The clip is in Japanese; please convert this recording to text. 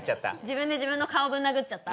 自分で自分の顔ぶん殴っちゃった。